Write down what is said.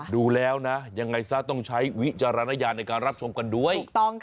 ดูแล้วนะยังไงซะต้องใช้วิจารณญาณในการรับชมกันด้วย